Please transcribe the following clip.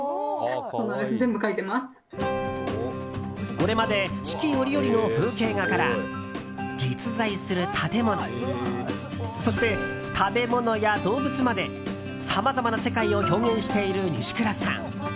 これまで四季折々の風景画から実在する建物そして食べ物や動物までさまざまな世界を表現している西倉さん。